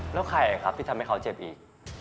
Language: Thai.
แล้วใครครับที่ทำให้เขาเจ็บอีก